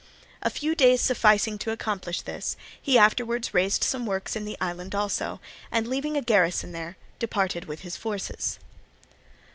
A few days sufficing to accomplish this, he afterwards raised some works in the island also, and leaving a garrison there, departed with his forces.